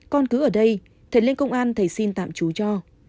con cứ ở đây thầy lên công an thầy xin tạm chú cho